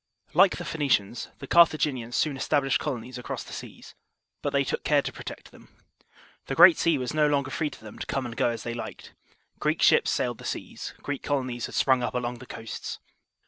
Like the Phoenicians, the Carthaginians soon established colonies across the seas; but they took care to protect them. The Great Sea was no longer free to them to come and go as they liked. Greek ships sailed the seas, Greek colonies had sprung up along the coasts.